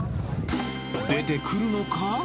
出てくるのか？